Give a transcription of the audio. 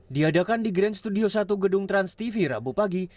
diadakan di grand studio satu gedung transtv rabu pagi